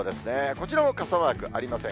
こちらも傘マークありません。